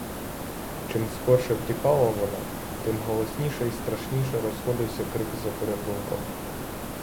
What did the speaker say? Чим скорше втікала вона, тим голосніше й страшніше розходився крик за порятунком.